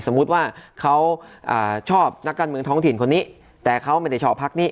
ว่าเขาชอบนักการเมืองท้องถิ่นคนนี้แต่เขาไม่ได้ชอบพักนี้